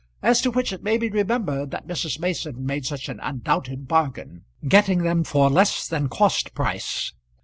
as to which it may be remembered that Mrs. Mason made such an undoubted bargain, getting them for less than cost price.